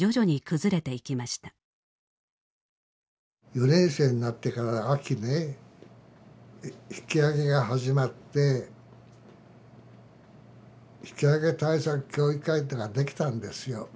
４年生になってから秋ね引き揚げが始まって引揚対策協議会っていうのができたんですよ。